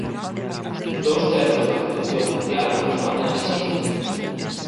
Dous terzos da produción mundial corresponden a China.